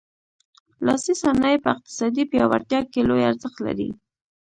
لاسي صنایع په اقتصادي پیاوړتیا کې لوی ارزښت لري.